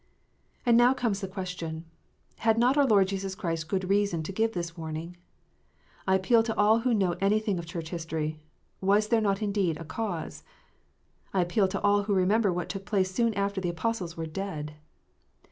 And now comes the question, Had not our Lord Jesus Christ good reason to give this warning ? I appeal to all who know anything of Church history, was there not indeed a cause 1 I appeal to all who remember what took place soon after the Apostles were dead.